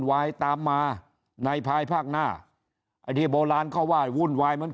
วายตามมาในภายภาคหน้าไอ้ที่โบราณเขาไหว้วุ่นวายเหมือนกัน